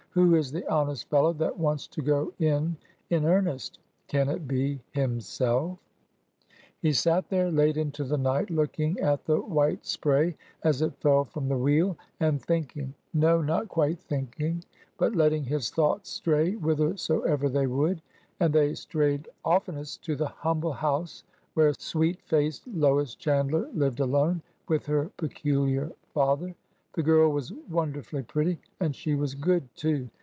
Who is the honest fellow that wants to go in in earnest ?... Can it be himself ?" He sat there late into the night, looking at the white spray as it fell from the wheel, and thinking— no, not 70 ORDER NO. 11 quite thinking, but letting his thoughts stray whitherso ever they would. And they strayed oftenest to the humble house where sweet faced Lois Chandler lived alone with her peculiar father. The girl was wonderfully pretty. And she was good too.